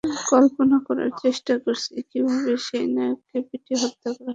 কল্পনা করার চেষ্টা করছি, কীভাবে সেই নায়ককে পিটিয়ে হত্যা করা হচ্ছে।